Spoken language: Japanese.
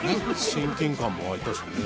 親近感も湧いたしね。